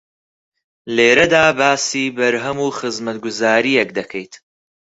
لێرەدا باسی بەرهەم و خزمەتگوزارییەک دەکەیت